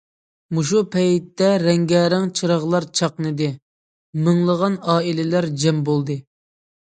مۇشۇ پەيتتە، رەڭگارەڭ چىراغلار چاقنىدى، مىڭلىغان ئائىلىلەر جەم بولدى.